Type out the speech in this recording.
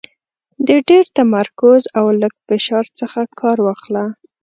د ډېر تمرکز او لږ فشار څخه کار واخله .